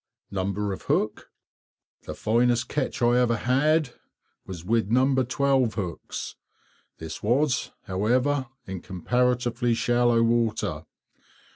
Number of hook_? The finest catch I ever had was with No. 12 hooks. This was, however, in comparatively shallow water.